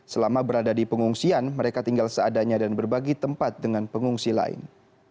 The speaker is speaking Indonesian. selama berada di pengungsian mereka tinggal seadanya dan berbagi tempat dengan pengungsi lain